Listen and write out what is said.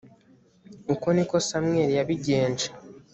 uko ni ko samweli yabigenje